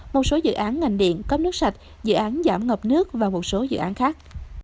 một số dự án ngành điện cấp nước sạch dự án giảm ngập nước và một số dự án khác